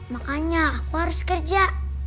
makanya aku harus kerja